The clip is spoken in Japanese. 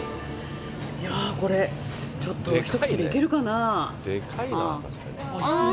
いやー、これ、ちょっと一口でいけるかな。